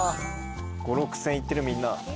５，０００６，０００いってるみんな。